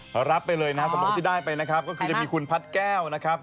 รับไปเลยนะฮะสมมุติที่ได้ไปนะครับก็คือจะมีคุณพัดแก้วนะครับ